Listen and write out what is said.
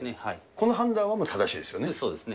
この判断は正しいですよね？